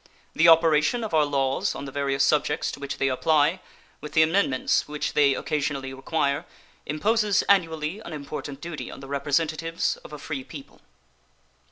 The operation of our laws on the various subjects to which they apply, with the amendments which they occasionally require, imposes annually an important duty on the representatives of a free people.